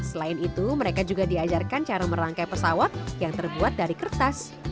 selain itu mereka juga diajarkan cara merangkai pesawat yang terbuat dari kertas